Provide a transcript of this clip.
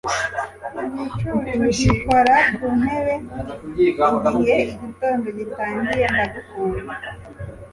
igicucu gikora ku ntebe, igihe igitondo gitangiye. ndagukunda